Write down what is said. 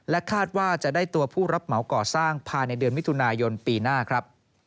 คาดว่าจะได้ตัวผู้รับเหมาก่อสร้างภายในเดือนมิถุนายนปีหน้าครับ